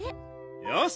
よし！